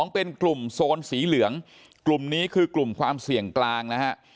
เป็นกลุ่มโซนสีเหลืองกลุ่มนี้คือกลุ่มความเสี่ยงกลางนะฮะ